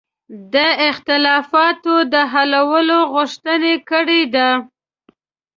د اختلافاتو د حلولو غوښتنه کړې ده.